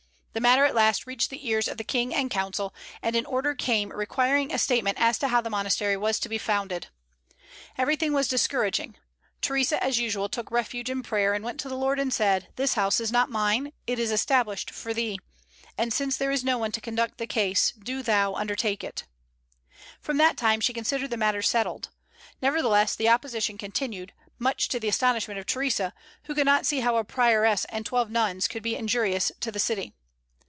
The matter at last reached the ears of the King and council, and an order came requiring a statement as to how the monastery was to be founded. Everything was discouraging. Theresa, as usual, took refuge in prayer, and went to the Lord and said, "This house is not mine; it is established for Thee; and since there is no one to conduct the case, do Thou undertake it." From that time she considered the matter settled. Nevertheless the opposition continued, much to the astonishment of Theresa, who could not see how a prioress and twelve nuns could be injurious to the city.